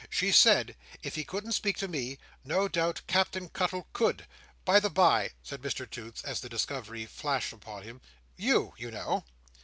She said, if he couldn't speak to me, no doubt Captain Cuttle could. By the bye!" said Mr Toots, as the discovery flashed upon him, "you, you know!"